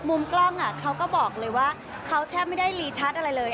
มุมกล้องเขาก็บอกเลยว่าเขาแทบไม่ได้รีทัศน์อะไรเลย